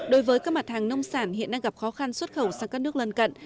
đối với các mặt hàng nông sản hiện đang gặp khó khăn xuất khẩu sang các nước lân cận